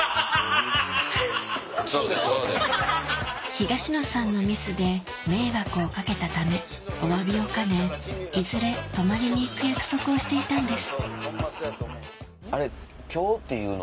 東野さんのミスで迷惑を掛けたためお詫びを兼ねいずれ泊まりに行く約束をしていたんですそうです。